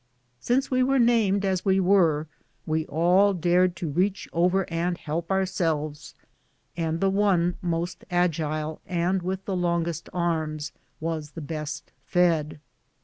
Since we were named as we were, we all dared to reach over and help ourselves, and the one most agile and with the longest arms was the best fed.